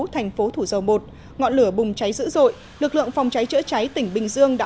thành phố thủ dầu một ngọn lửa bùng cháy dữ dội lực lượng phòng cháy chữa cháy tỉnh bình dương đã